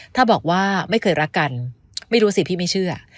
ถ้าบอกว่าไม่เคยรักกันไม่รู้สิพี่ไม่เชื่อ